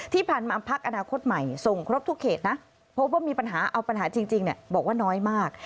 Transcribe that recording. ที่ผ่านมาพักอนาคตใหม่ส่งครบทุกเขตนะพบว่ามีปัญหาเอาปัญหาจริงบอกว่าน้อยมาก